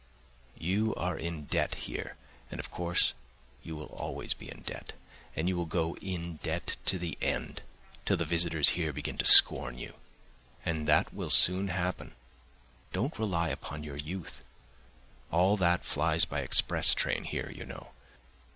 You are in debt here, and, of course, you will always be in debt, and you will go on in debt to the end, till the visitors here begin to scorn you. And that will soon happen, don't rely upon your youth—all that flies by express train here, you know.